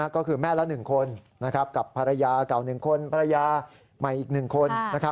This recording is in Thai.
ก็คือแม่ละ๑คนกับภรรยาเก่า๑คนภรรยาใหม่อีก๑คน